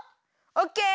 オッケー。